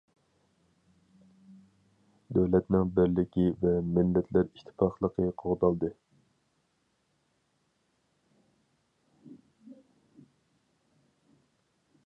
دۆلەتنىڭ بىرلىكى ۋە مىللەتلەر ئىتتىپاقلىقى قوغدالدى.